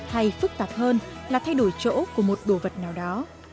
hay phức tạp hơn là thay đổi chỗ của một đồ vật nào đó